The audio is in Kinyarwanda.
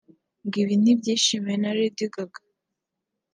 ngo ibi ntibyishimiwe na Lady Gaga